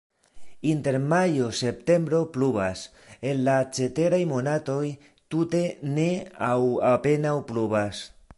Inter majo-septembro pluvas, en la ceteraj monatoj tute ne aŭ apenaŭ pluvas.